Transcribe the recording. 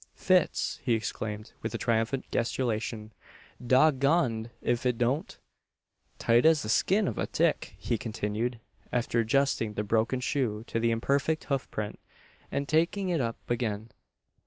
"Fits!" he exclaimed, with a triumphant gesticulation, "Dog goned if it don't!" "Tight as the skin o' a tick!" he continued, after adjusting the broken shoe to the imperfect hoof print, and taking it up again.